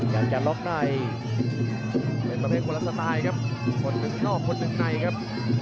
อยากจะล็อกในเป็นประเภทคนละสไตล์ครับคนหนึ่งนอกคนหนึ่งในครับ